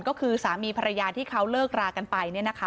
ก็คือสามีภรรยาที่เขาเลิกรากันไป